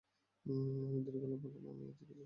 আমি দৃঢ় গলায় বললাম, আমি কিছু শুনতে পাই নি।